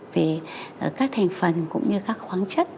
về các thành phần cũng như các khoáng chất